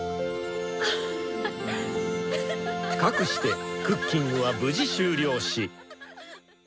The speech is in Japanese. かくしてクッキングは無事終了し。